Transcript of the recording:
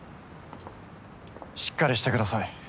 しっかりしてください